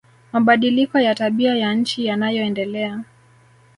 Mabadiliko ya tabia ya nchi yanayoendelea